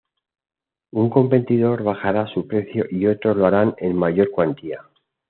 Un competidor bajará su precio y otros lo harán en mayor cuantía.